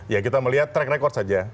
ya kita melihat track record saja